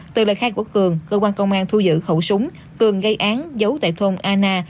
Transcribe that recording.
từ lời khai của cường cơ quan công an thu giữ khẩu súng cường gây án giấu tại thôn aa